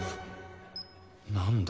「何だ？